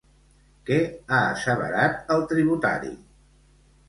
Què ha asseverat el tributari?